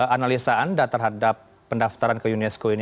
analisa anda terhadap pendaftaran ke unesco ini